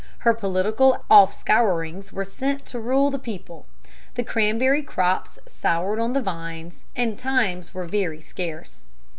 Her political offscourings were sent to rule the people. The cranberry crops soured on the vines, and times were very scarce.